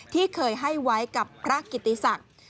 ที่เคยให้ไว้กับพระกิติศักดิ์